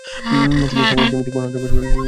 তিনি স্থানের জ্যামিতিক বর্ণনা দেবার চেষ্টা করেছিলেন।